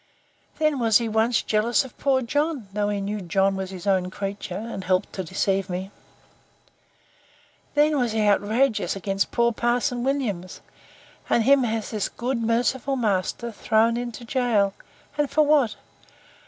Then was he once jealous of poor John, though he knew John was his own creature, and helped to deceive me. Then was he outrageous against poor Parson Williams! and him has this good, merciful master, thrown into gaol; and for what?